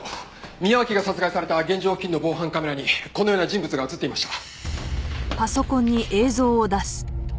宮脇が殺害された現場付近の防犯カメラにこのような人物が映っていました。